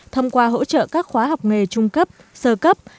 thông qua hỗ trợ các khóa học nghề trung cấp sơ cấp